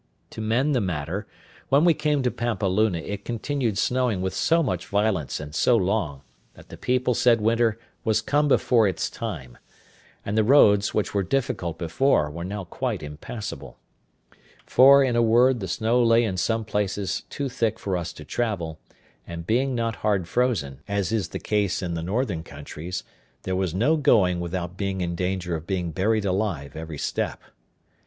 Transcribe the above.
To mend the matter, when we came to Pampeluna it continued snowing with so much violence and so long, that the people said winter was come before its time; and the roads, which were difficult before, were now quite impassable; for, in a word, the snow lay in some places too thick for us to travel, and being not hard frozen, as is the case in the northern countries, there was no going without being in danger of being buried alive every step.